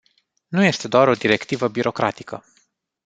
Nu este doar o directivă birocratică.